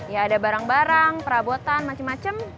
ya ada barang barang perabotan macem macem